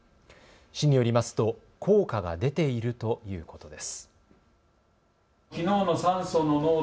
市によりますと効果が出ているということです。